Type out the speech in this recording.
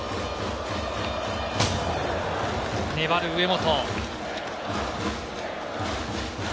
粘る上本。